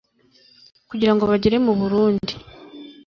kugira ngo bagere mu burundi